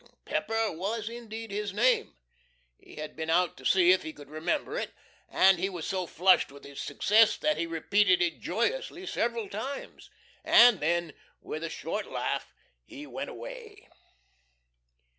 Pepper was indeed his name. He had been out to see if he could remember it; and he was so flushed with his success that he repeated it joyously several times, and then, with a short laugh he went away.